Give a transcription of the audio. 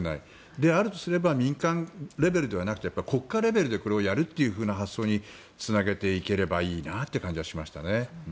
であるとすれば民間レベルではなくて国家レベルでこれをやるって発想につなげていければいいなという感じはしましたね。